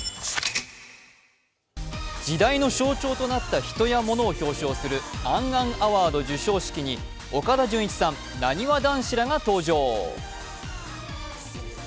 時代の象徴となった人やものを表彰するａｎ・ａｎＡＷＡＲＤ授賞式に岡田准一さん、なにわ男子らが登場。